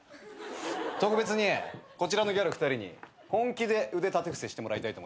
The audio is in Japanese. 特別にこちらのギャル２人に本気で腕立て伏せしてもらいたいと思います。